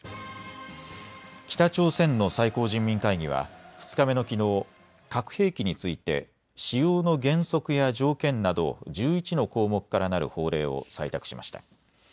北朝鮮の最高人民会議は２日目のきのう核兵器について使用の原則や条件などを１１の項目からなる法令を採択しました。